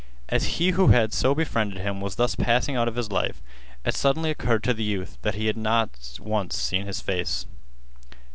As he who had so befriended him was thus passing out of his life, it suddenly occurred to the youth that he had not once seen his face.